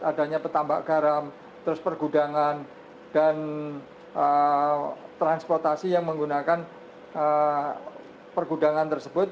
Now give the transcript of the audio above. adanya petambak garam terus pergudangan dan transportasi yang menggunakan pergudangan tersebut